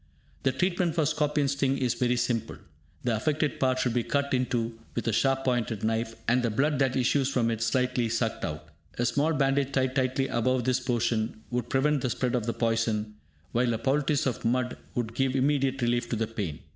The treatment for scorpion sting is very simple. The affected part should be cut into with a sharp pointed knife, and the blood that issues from it slightly sucked out. A small bandage tied tightly above this portion would prevent the spread of the poison, while a poultice of mud would give immediate relief to the pain.